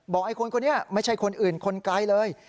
ไอ้คนคนนี้ไม่ใช่คนอื่นคนไกลเลย